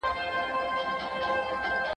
چي په ناز لوئېږي، په زيار زړېږي.